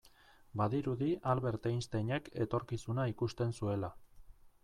Badirudi Albert Einsteinek etorkizuna ikusten zuela.